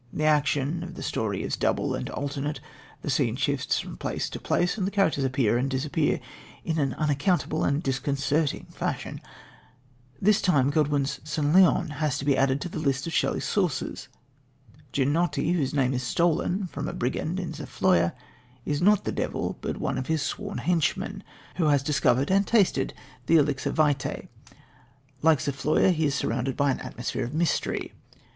The action of the story is double and alternate, the scene shifts from place to place, and the characters appear and disappear in an unaccountable and disconcerting fashion. This time Godwin's St. Leon has to be added to the list of Shelley's sources. Ginotti, whose name is stolen from a brigand in Zofloya, is not the devil but one of his sworn henchmen, who has discovered and tasted the elixir vitae. Like Zofloya, he is surrounded by an atmosphere of mystery.